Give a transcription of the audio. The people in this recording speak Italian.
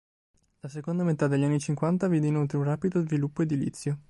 La seconda metà degli anni cinquanta vide inoltre un rapido sviluppo edilizio.